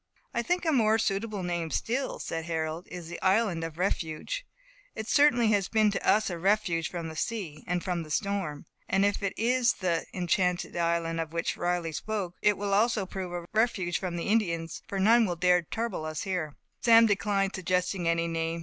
"I think a more suitable name still," said Harold, "is the Island of Refuge. It has certainly been to us a refuge from the sea, and from the storm. And if it is the Enchanted Island, of which Riley spoke, it will also prove a refuge from the Indians, for none will dare to trouble us here." Sam declined suggesting any name.